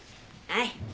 はい。